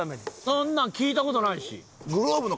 そんなん聞いた事ないし。